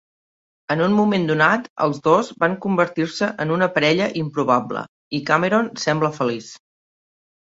En un moment donat, els dos van convertir-se en una parella improbable, i Cameron sembla feliç.